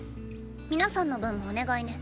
皆さんの分もお願いね。